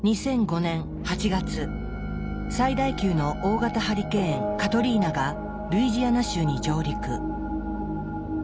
最大級の大型ハリケーン・カトリーナがルイジアナ州に上陸。